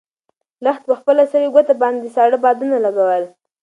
لښتې په خپله سوې ګوته باندې ساړه بادونه لګول.